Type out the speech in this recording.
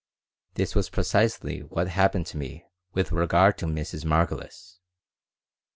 This was precisely what happened to me with regard to Mrs. Margolis.